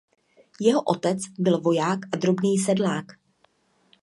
Jeho otec byl voják a drobný sedlák.